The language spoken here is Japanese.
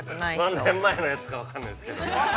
何年前のやつか分からないですけど。